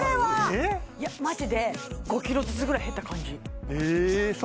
えっいやマジで５ｋｇずつぐらい減った感じえー